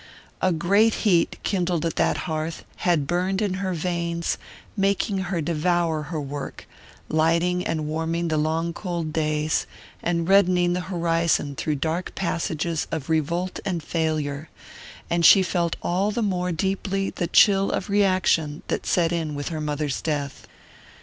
A great heat, kindled at that hearth, had burned in her veins, making her devour her work, lighting and warming the long cold days, and reddening the horizon through dark passages of revolt and failure; and she felt all the more deeply the chill of reaction that set in with her mother's death.